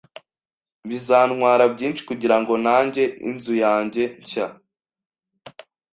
Bizantwara byinshi kugirango ntange inzu yanjye nshya